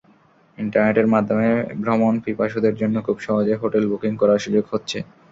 ইন্টারনেটের মাধ্যমে ভ্রমণপিপাসুদের জন্য খুব সহজে হোটেল বুকিং করার সুযোগ হচ্ছে।